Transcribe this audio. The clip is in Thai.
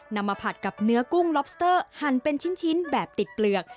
นำมาผัดกับเนื้อกุ้งล็อบสเตอร์หั่นเป็นชิ้นแบบติดเปลือก